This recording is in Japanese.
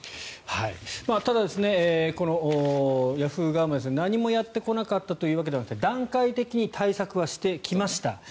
ただ、ヤフー側も何もやってこなかったというだけではなくて段階的に対策してきました。